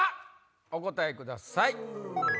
お答えください。